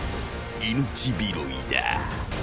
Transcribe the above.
［命拾いだ］